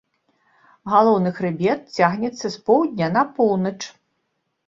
Галоўны хрыбет цягнецца з поўдня на поўнач.